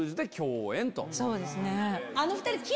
そうですね。